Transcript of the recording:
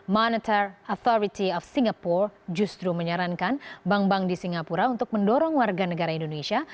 moneter authority of singapore justru menyarankan bank bank di singapura untuk mendorong warga negara indonesia